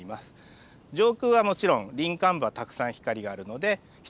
上空はもちろん林冠部はたくさん光があるので一